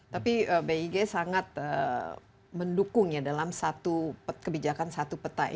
tapi big sangat mendukung ya dalam satu kebijakan satu peta ini